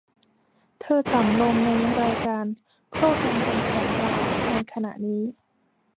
เธอต่ำลงในรายการข้อกังวลของเราในขณะนี้